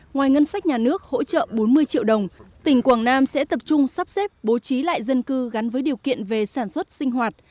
ngoài ngân sách nhà nước hỗ trợ bốn mươi triệu đồng tỉnh quảng nam sẽ tập trung sắp xếp bố trí lại dân cư gắn với điều kiện về sản xuất sinh hoạt